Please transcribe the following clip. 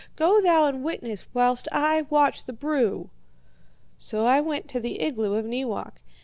Go thou and witness whilst I watch by the brew.' "So I went to the igloo of Neewak.